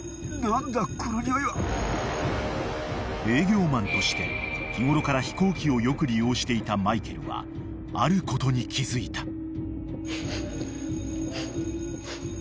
［営業マンとして日頃から飛行機をよく利用していたマイケルはあることに気付いた］